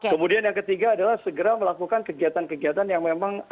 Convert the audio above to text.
kemudian yang ketiga adalah segera melakukan kegiatan kegiatan yang memang